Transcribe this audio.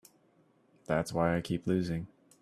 That's why I keep losing.